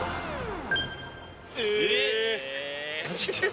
え！